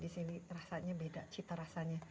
disini rasanya beda cita rasanya